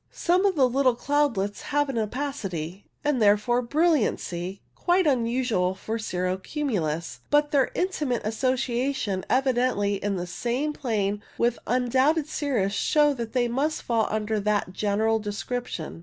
Some of the little cloudlets have an opacity, and therefore brilliancy, quite unusual for cirro cumulus, but their intimate association evidently in the same plane with undoubted cirrus shows that they must fall under that general description.